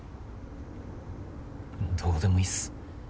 もうどうでもいいっす。